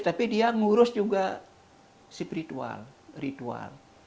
tapi dia ngurus juga spiritual ritual